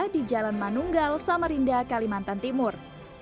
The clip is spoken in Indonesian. di jalan manunggal samarinda kalimantan timur